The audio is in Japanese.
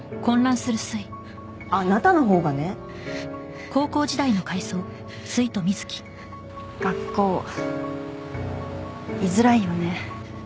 あなたのほうがね学校いづらいよね